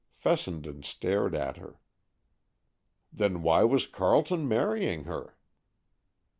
Fessenden stared at her. "Then why was Carleton marrying her?"